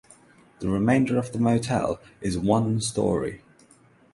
The remainder of the motel is one story.